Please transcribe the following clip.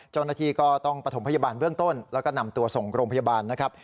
เจ้าหน้าที่ก็ต้องประถมพยาบาลเบื้องต้นแล้วก็นำตัวส่งโรงพยาบาลนะครับ